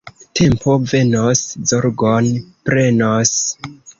Tempo venos, zorgon prenos.